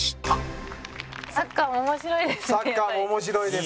蛍原：サッカーも面白いですね。